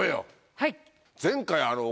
はい！